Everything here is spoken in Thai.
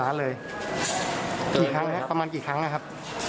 ๕๐ล้านเลยประมาณกี่ครั้งครับ